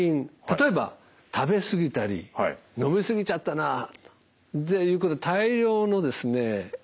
例えば食べ過ぎたり飲み過ぎちゃったなっていうことで大量のですね